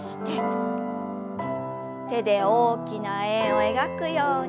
手で大きな円を描くように。